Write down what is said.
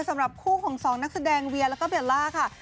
สำหรับคู่ของสองนักแสดงเวียแล้วก็เบลล่าค่ะ